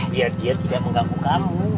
biar dia tidak mengganggu kamu